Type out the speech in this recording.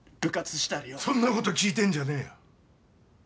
そんなこと聞いてんじゃねえよ！